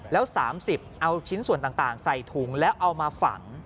แล้ว๓๐เอาชิ้นส่วนต่างใส่ถุงแล้วเอามาฝัง